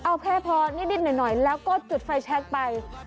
เอาแค่พอนิดหน่อยแล้วก็จุดไฟแชคไป